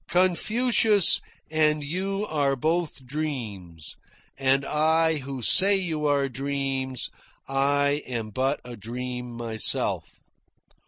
Confucius and you are both dreams; and I who say you are dreams I am but a dream myself.